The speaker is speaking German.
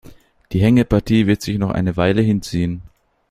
Die Hängepartie wird sich noch eine Weile hinziehen.